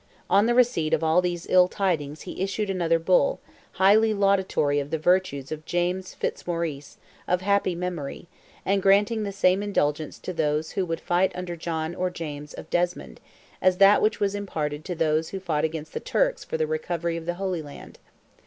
On the receipt of all these ill tidings he issued another Bull, highly laudatory of the virtues of James Fitzmaurice "of happy memory," and granting the same indulgence to those who would fight under John or James of Desmond, "as that which was imparted to those who fought against the Turks for the recovery of the Holy Land."